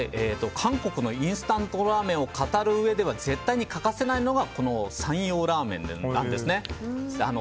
韓国のインスタントラーメンを語るうえでは絶対に欠かせないのがこの三養ラーメンなんですね。